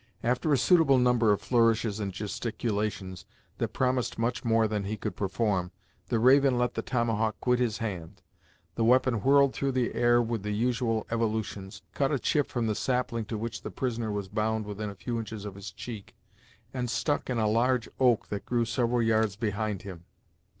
After a suitable number of flourishes and gesticulations that promised much more than he could perform, the Raven let the tomahawk quit his hand. The weapon whirled through the air with the usual evolutions, cut a chip from the sapling to which the prisoner was bound within a few inches of his cheek, and stuck in a large oak that grew several yards behind him.